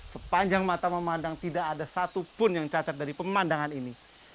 sepanjang mata memandang tidak ada satupun yang cacat dari pemandangan ini